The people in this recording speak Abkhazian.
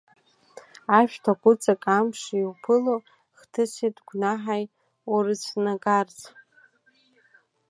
Ашәҭ агәыҵак Амш иуԥыло, хҭыси гәнаҳаи урыцәнагарц.